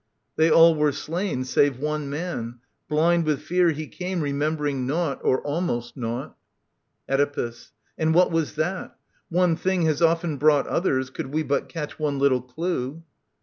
They all were slain, save one man ; blind with fear He came, remembering naught — or almost naught. Oedipus. And what was that ? One thing has often brought Others, could we but catch one little clue.